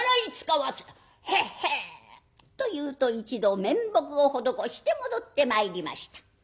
「ははっ」というと一同面目を施して戻ってまいりました。